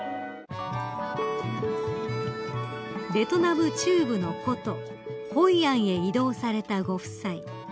［ベトナム中部の古都ホイアンへ移動されたご夫妻］